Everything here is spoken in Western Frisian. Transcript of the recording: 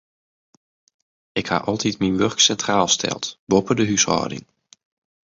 Ik ha altyd myn wurk sintraal steld, boppe de húshâlding.